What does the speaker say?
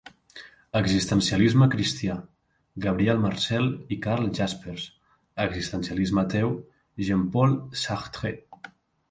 Existencialisme cristià: Gabriel Marcel i Karl Jaspers; existencialisme ateu: Jean-Paul Sartre.